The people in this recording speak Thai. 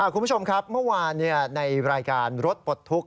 คุณผู้ชมครับเมื่อวานในรายการรถปลดทุกข